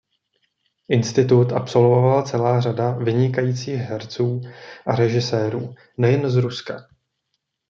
Institut absolvovala celá řada vynikajících herců a režisérů nejen z Ruska.